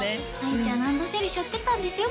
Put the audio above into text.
杏優ちゃんランドセルしょってたんですよ